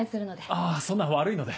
あぁそんな悪いので。